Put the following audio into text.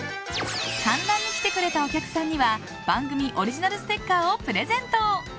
観覧に来てくれたお客さんには番組オリジナルステッカーをプレゼント。